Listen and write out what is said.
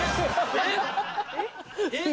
えっ？